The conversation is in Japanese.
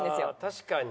確かに。